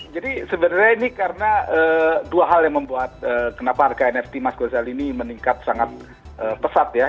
jadi sebenarnya ini karena dua hal yang membuat kenapa harga nft mas ghazali ini meningkat sangat pesat ya